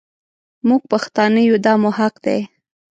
مونږ پښتانه يو دا مو حق دی.